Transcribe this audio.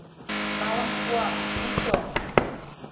— Налын пуа, вучо!